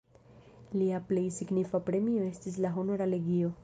Lia plej signifa premio estis la Honora legio.